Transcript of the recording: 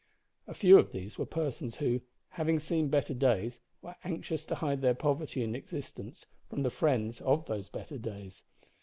A few of these were persons who, having "seen better days," were anxious to hide their poverty and existence from the "friends" of those better days.